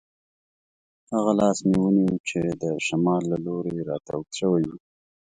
هغه لاس مې ونیو چې د شمال له لوري راته اوږد شوی وو.